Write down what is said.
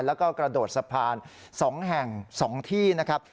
แล้วก็กระโดดสะพาน๒แห่ง๒ที่นะครับ